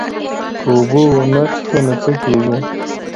که اوبه ونه څښو نو څه کیږي